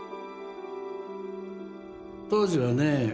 当時はね